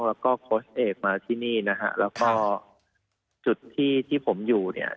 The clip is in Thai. แล้วก็โค้ชเอกมาที่นี่นะฮะแล้วก็จุดที่ที่ผมอยู่เนี่ย